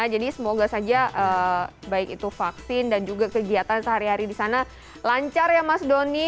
jadi semoga saja baik itu vaksin dan juga kegiatan sehari hari di sana lancar ya mas doni